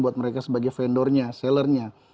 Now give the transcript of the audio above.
buat mereka sebagai vendornya sellernya